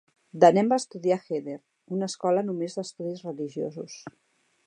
De nen va estudiar a heder, una escola només d'estudis religiosos.